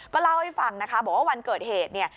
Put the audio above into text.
ก็เล่าให้ฟังนะคะบอกว่าวันเกิดเหตุเนี่ย